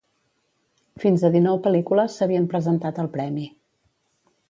Fins a dinou pel·lícules s’havien presentat al premi.